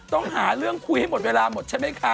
ต้องหาเรื่องคุยให้หมดเวลาหมดใช่ไหมคะ